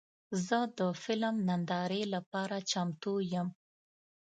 زه د فلم نندارې لپاره چمتو یم.